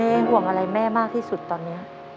แม่ศึกหวังอะไรมันแม่มากที่สุดตอนนี้